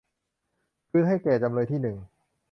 คืนให้แก่จำเลยที่หนึ่ง